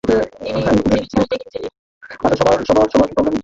তিনি civil engineers institution এর সম্মানিত সদস্য পদ লাভ করেন।